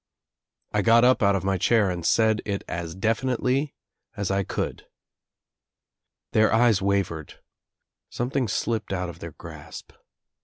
I got up out of my chair and said it as definitely u I could. Their eyes wavered. Something slipped out of their grasp.